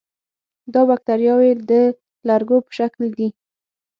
دا باکتریاوې د لرګو په شکل دي.